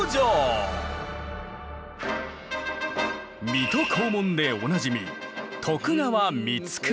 「水戸黄門」でおなじみ